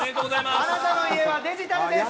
あなたの家はデジタルです。